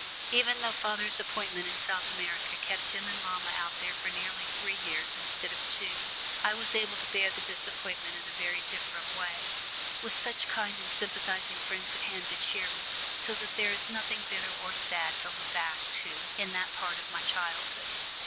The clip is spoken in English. Even though father's appointment in South America kept him and mamma out there for nearly three years instead of two, I was able to bear the disappointment in a very different way, with such kind and sympathising friends at hand to cheer me, so that there is nothing bitter or sad to look back to in that part of my childhood.